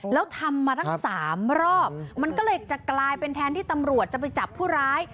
แล้วทำมาทั้ง๓รอบมันก็เลยจะกลายเป็นแทนที่ตำรวจจะไปจับผู้ร้าย